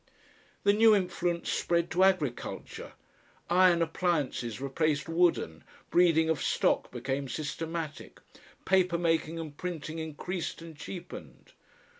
The new influence spread to agriculture, iron appliances replaced wooden, breeding of stock became systematic, paper making and printing increased and cheapened.